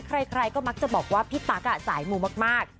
ใครก็มักจะบอกว่าพี่ตั๊กสายมูมาก